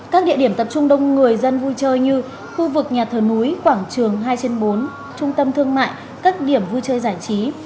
các địa điểm tập trung đông người dân vui chơi như khu vực nhà thờ núi quảng trường hai trên bốn trung tâm thương mại các điểm vui chơi giải trí